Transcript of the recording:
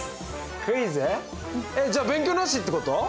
クイズ？じゃあ勉強なしってこと？